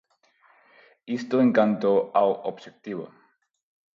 Isto en canto ao obxectivo.